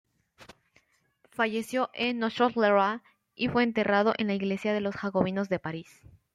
Falleció en Nogent-le-Roi y fue enterrado en la iglesia de los Jacobinos de París.